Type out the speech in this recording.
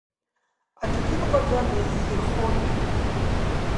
Аҭаҭынҟаҵа наизирхоит.